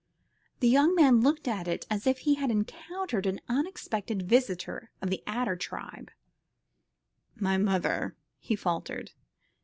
The young man looked at it as if he had encountered an unexpected visitor of the adder tribe. "My mother," he faltered.